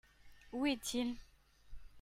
Où est-il ?